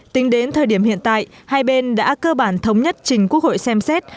tính đến thời điểm hiện tại hai bên đã cơ bản thống nhất trình quốc hội xem xét